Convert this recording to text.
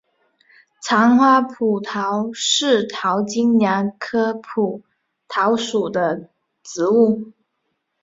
长花蒲桃是桃金娘科蒲桃属的植物。